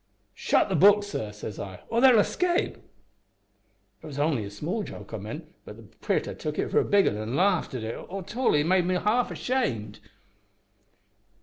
"`Shut the book, sir,' says I, `or they'll all escape!' "It was only a small joke I meant, but the critter took it for a big 'un an' larfed at it till he made me half ashamed.